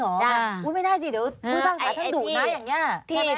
มาบอกพูดภาษาฉันก็ไม่ได้ซึ่ง